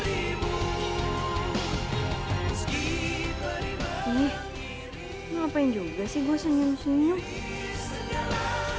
ih ngapain juga sih gua senyum senyum